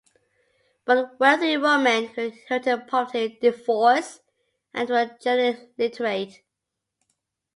But wealthy women could inherit property, divorce, and were generally literate.